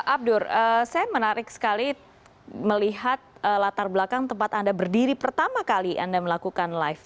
abdur saya menarik sekali melihat latar belakang tempat anda berdiri pertama kali anda melakukan live